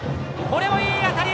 これもいい当たり！